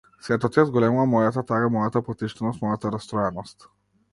Светот ја зголемува мојата тага, мојата потиштеност, мојата растроеност.